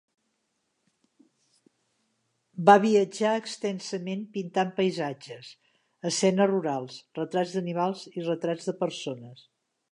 Va viatjar extensament pintant paisatges, escenes rurals, retrats d'animals i retrats de persones.